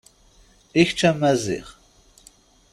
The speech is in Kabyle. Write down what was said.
I kečč a Maziɣ.